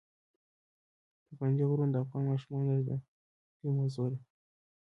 پابندی غرونه د افغان ماشومانو د زده کړې موضوع ده.